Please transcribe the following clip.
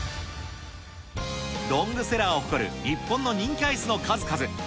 ロングセラーを誇る日本の人気アイスの数々。